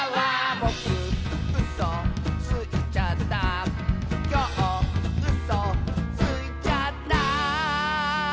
「ぼくうそついちゃった」「きょううそついちゃった」